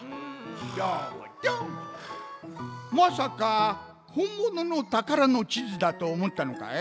まさかほんもののたからのちずだとおもったのかい？